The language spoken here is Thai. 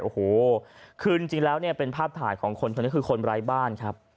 โอ้โหจริงแล้วเนี่ยเป็นภาพฐานของคนคือคนไร้บ้านครับ